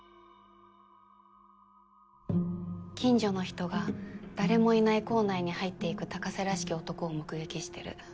近所の人が誰もいない校内に入っていく高瀬らしき男を目撃してる。